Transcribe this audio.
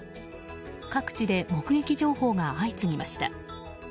各地で目撃情報が相次ぎました。